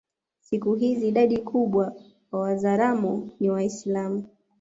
Siku hizi idadi kubwa wa Wazaramo ni Waislamu